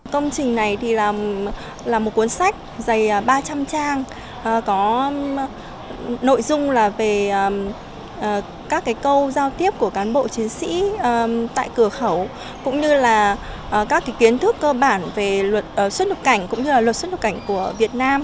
công trình này là một cuốn sách dày ba trăm linh trang có nội dung về các câu giao tiếp của cán bộ chiến sĩ tại cửa khẩu cũng như là các kiến thức cơ bản về luật xuất nhập cảnh cũng như là luật xuất nhập cảnh của việt nam